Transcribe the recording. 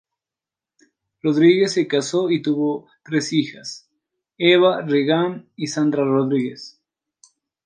Rodríguez se casó y tuvo tres hijas Eva, Regan y Sandra Rodríguez.